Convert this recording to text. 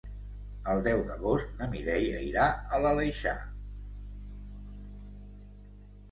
El deu d'agost na Mireia irà a l'Aleixar.